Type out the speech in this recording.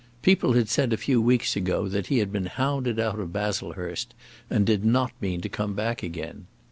People had said a few weeks ago that he had been hounded out of Baslehurst, and did not mean to come back again.